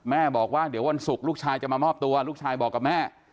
บอกว่าเดี๋ยววันศุกร์ลูกชายจะมามอบตัวลูกชายบอกกับแม่